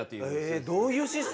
えどういうシステム？